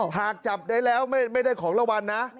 หากจับได้แล้วไม่ได้ของรางวัลนะ